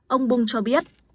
ông bung cho biết